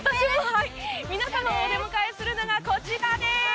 皆様をお出迎えするのはこちらです。